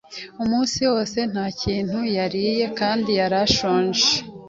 Umunsi wose nta kintu yariye kandi yari ashonje.